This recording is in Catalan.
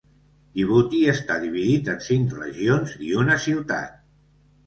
Djibouti està dividit en cinc regions i una ciutat.